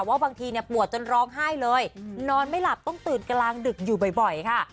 ว่าบางทีเนี่ยปวดจนร้องไห้เลยนอนไม่หลับต้องตื่นกลางดึกอยู่บ่อยค่ะ